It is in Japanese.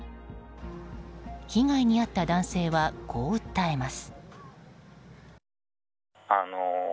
被害に遭った男性はこう訴えます。